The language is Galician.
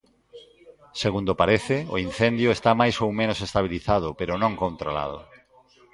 Segundo parece, o incendio está máis ou menos estabilizado pero non controlado.